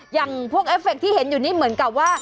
อย่างพวกเอฟเฟคที่เห็นอยู่นี่เหมือนกับว่า